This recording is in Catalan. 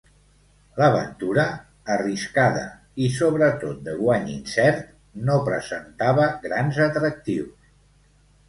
L'aventura, arriscada i, sobretot, de guany incert, no presentava grans atractius.